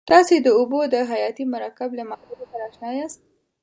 تاسې د اوبو د حیاتي مرکب له معادلې سره آشنا یاست.